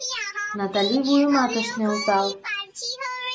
Натали вуйымат ыш нӧлтал.